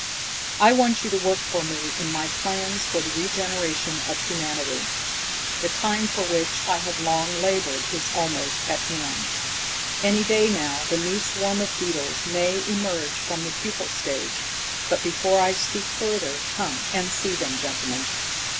"I want you to work for me in my plans for the regeneration of humanity. The time for which I have long labored is almost at hand. Any day now the new swarm of beetles may emerge from the pupal stage. But before I speak further, come and see them, gentlemen!"